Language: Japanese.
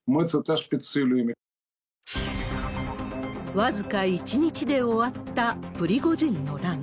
僅か１日で終わったプリゴジンの乱。